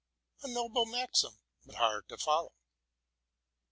A noble maxim, but hard to follow.